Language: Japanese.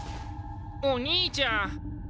お兄ちゃん。